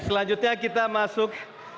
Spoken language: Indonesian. selanjutnya kita masuk